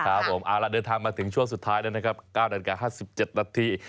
ครับผมเอาละเดินทางมาถึงช่วงสุดท้ายแล้วนะครับ๙นาฬิกา๕๗นาที